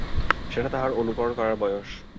সেটা তাহার অনুকরণ করার বয়স।